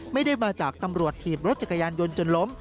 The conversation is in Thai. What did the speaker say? ไม่ได้มาจากตำรวจถีบรถจักรยานยนต์จนล้ม